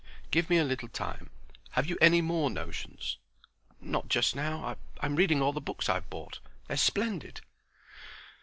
"Give me a little time. Have you any more notions?" "Not just now. I'm reading all the books I've bought. They're splendid."